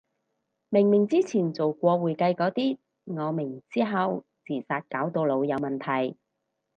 明明之前做過會計個啲，我明之後自殺搞到腦有問題